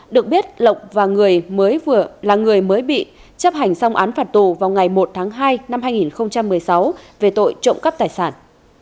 được biết lộc và người mới vừa là người mới bị chấp hành xong án phạt tù vào ngày một tháng hai năm hai nghìn một mươi sáu về tội trộm cắp tài sản